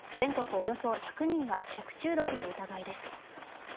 およそ１００人が食中毒の疑いです。